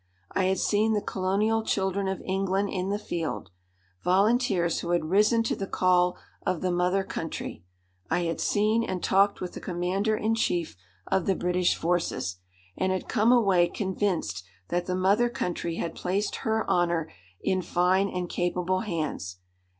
I had seen the colonial children of England in the field, volunteers who had risen to the call of the mother country. I had seen and talked with the commander in chief of the British forces, and had come away convinced that the mother country had placed her honour in fine and capable hands.